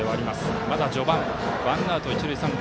まだ、序盤ワンアウトランナー、一塁三塁。